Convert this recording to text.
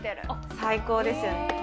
最高ですよね。